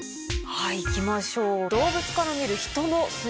はいいきましょう。